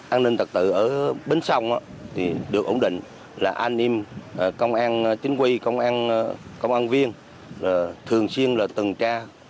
an ninh trật tự ở bến sông được ổn định là an ninh công an chính quy công an viên thường xuyên là tuần tra